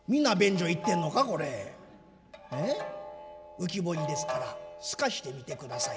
浮き彫りですから透かして見てください。